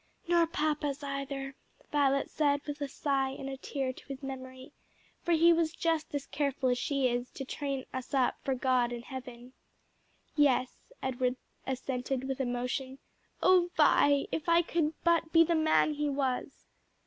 "Nor papa's either," Violet said with a sigh and a tear to his memory, "for he was just as careful as she is to train us up for God and heaven." "Yes," Edward assented with emotion. "O Vi, if I could but be the man he was!"